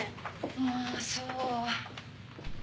ああそう。